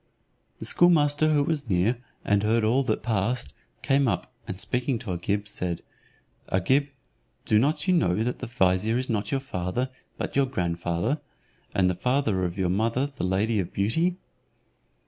The schoolmaster who was near, and heard all that passed, came up, and speaking to Agib, said, "Agib, do not you know that the vizier is not your father, but your grandfather, and the father of your mother the lady of beauty?